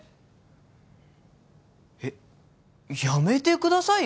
えっやめてくださいよ